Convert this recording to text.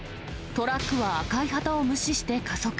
トラックは赤い旗を無視して加速。